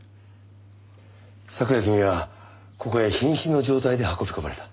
昨夜君はここへ瀕死の状態で運び込まれた。